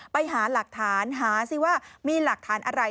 ไปหาหลักฐานหาสิว่ามีหลักฐานอะไร